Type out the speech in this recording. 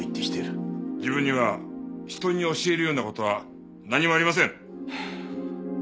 自分には人に教えるような事は何もありません。